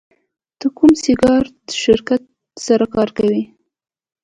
ته د کوم سینګار شرکت سره کار کوې